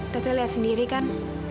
teteh liat sendiri kan